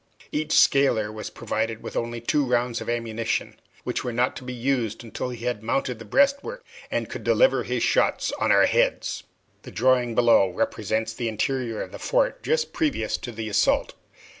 Each scaler was provided with only two rounds of ammunition, which were not to be used until he had mounted the breastwork and could deliver his shots on our heads. The drawing below represents the interior of the fort just previous to the assault.